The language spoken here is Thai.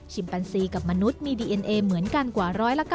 แปนซีกับมนุษย์มีดีเอ็นเอเหมือนกันกว่า๑๙